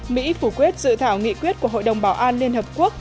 mỹ phủ quyết dự thảo nghị quyết của hội đồng bảo an liên hợp quốc